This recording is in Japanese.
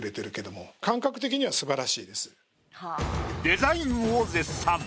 デザインを絶賛。